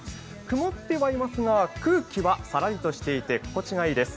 曇ってはいますが、空気はさらりとしていて心地がいいです。